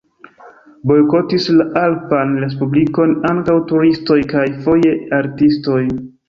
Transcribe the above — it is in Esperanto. Bojkotis la alpan respublikon ankaŭ turistoj kaj foje artistoj.